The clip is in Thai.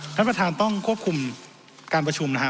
ท่านประธานต้องควบคุมการประชุมนะฮะ